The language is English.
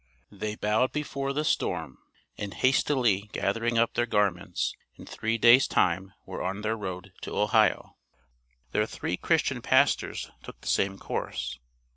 They bowed before the storm, and hastily gathering up their garments, in three days' time were on their road to Ohio. Their three Christian pastors took the same course.